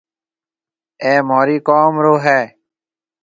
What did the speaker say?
اَي مهورِي قوم رو هيَ۔